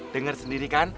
dengar sendiri kan